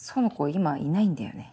今いないんだよね。